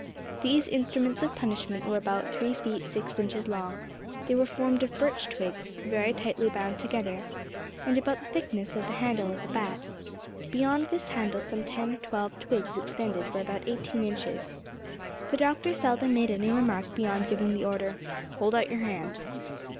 These instruments of punishment were about three feet six inches long; they were formed of birch twigs, very tightly bound together, and about the thickness of the handle of a bat; beyond this handle some ten or twelve twigs extended for about eighteen inches. The Doctor seldom made any remark beyond giving the order, "Hold out your hand."